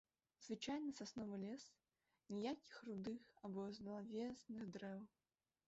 Звычайны сасновы лес, ніякіх рудых або злавесных дрэў.